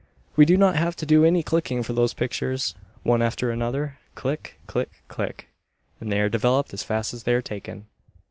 We do not have to do any clicking for these pictures, one after another, click, click, click, and they are developed as fast as they are taken.